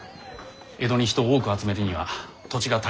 江戸に人を多く集めるには土地が足りませぬ。